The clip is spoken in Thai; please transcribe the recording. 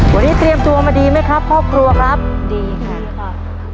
วันนี้เตรียมตัวมาดีไหมครับครอบครัวครับดีค่ะดีค่ะ